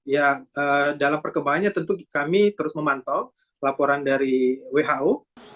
yang dalam perkembangannya tentu kami terus memantau laporan dari who